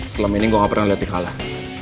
selama ini gue gak pernah liat dia kalah